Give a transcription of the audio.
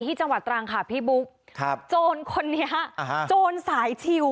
จังหวัดตรังค่ะพี่บุ๊คครับโจรคนนี้โจรสายชิว